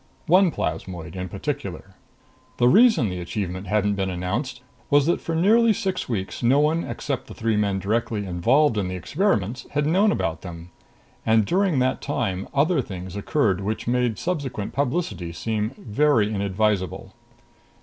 One plasmoid in particular. The reason the achievement hadn't been announced was that for nearly six weeks no one except the three men directly involved in the experiments had known about them. And during that time other things occurred which made subsequent publicity seem very inadvisable.